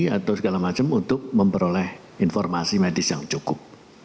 atau segala macam untuk memperoleh informasi medis yang cukup